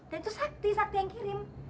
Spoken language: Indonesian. dan itu sakti sakti yang kirim